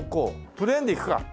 プレーンでいくか。